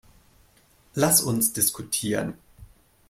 Lass uns diskutieren.